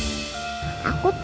ada yang beneran takut